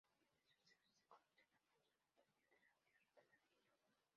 Este suceso se convirtió en la mayor batalla de la Guerra del Anillo.